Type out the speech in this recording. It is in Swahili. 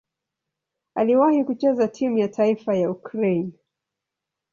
Aliwahi kucheza timu ya taifa ya Ukraine.